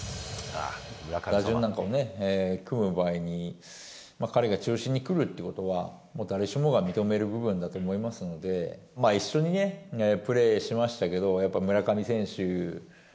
打順なんかを組む場合に、彼が中心にくるっていうことは、もう誰しもが認める部分だと思いますので、一緒にプレーしましたけど、やっぱり村上選手。